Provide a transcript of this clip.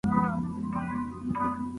اسلام یوازینۍ لاره ده چي عدالت پکې دی.